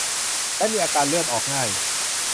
และมีอาการเลือดออกง่าย